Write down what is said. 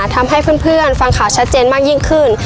ทำให้เพื่อนฟังข่าวชัดเจนมากยิ่งขึ้น